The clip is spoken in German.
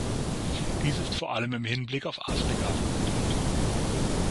Dies ist vor allem im Hinblick auf Afrika von Bedeutung.